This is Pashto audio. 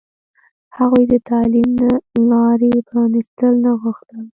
هغوی د تعلیم د لارې پرانستل نه غوښتل.